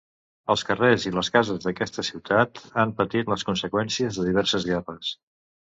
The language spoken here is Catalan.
Els carrers i les cases d'aquesta ciutat han patit les conseqüències de diverses guerres.